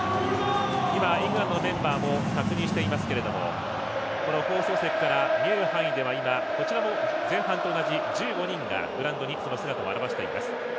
イングランドのメンバーも確認していますけれどもこの放送席から見える範囲では今、こちらも前半と同じ１５人がグラウンドに、姿を現しています。